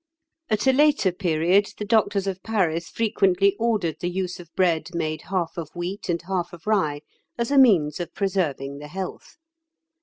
At a later period, the doctors of Paris frequently ordered the use of bread made half of wheat and half of rye as a means "of preserving the health."